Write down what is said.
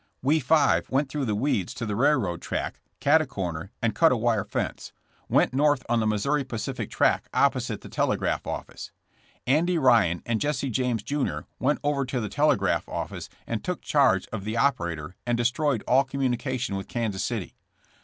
^'We five went through the weeds to the rail road track, cat a corner, and cut a wire fence; went XHB I.KEDS HOI.D UP. 127 north on the Missouri Pacific track opposite the tel egraph office. *'Andy Ryan and Jesse James, jr., went over to the telegraph office and took charge of the operator and destroyed all communication with Kansas City.